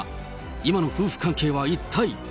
今の夫婦関係は一体。